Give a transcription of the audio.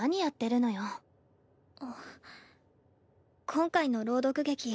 今回の朗読劇